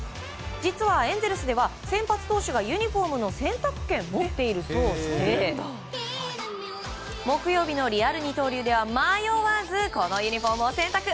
実は、エンゼルスでは先発投手がユニホームの選択権を持っているそうで木曜日のリアル二刀流では迷わず、このユニホームを選択。